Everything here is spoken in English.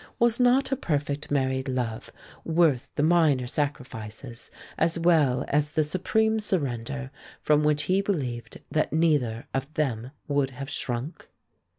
Was not a perfect married love worth the minor sacrifices as well as the supreme surrender from which he believed that neither of them would have shrunk?